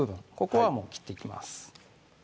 ここはもう切っていきます